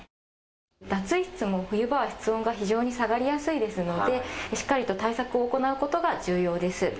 脱衣室も冬場は室温が下がりやすいのでしっかりと対策を行うことが重要です。